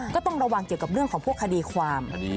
ก็ต้องระวังเกี่ยวกับเรื่องของพวกคดีความ